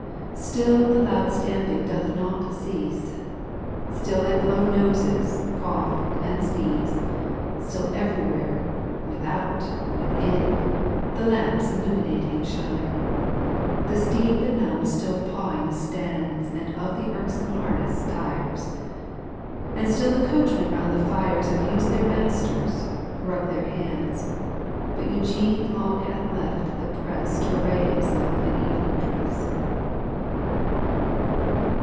StiU the loud stamping doth not cease. Still they blow noses, cough, and sneeze. Still everywhere, without, within, The lamps illuminating shine ; The steed benumbed still pawing stands And of the irksome harness tires. And still the coachmen round the fires " Abuse their masters, rub their hands : But Eugene long hath left the press To array himself in evening dress.